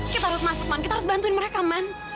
kita harus masuk man kita harus bantuin mereka man